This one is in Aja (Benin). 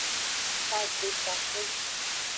Kave takpu.